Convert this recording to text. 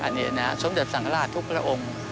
อันนี้นะสมเด็จสังฆราชทุกพระองค์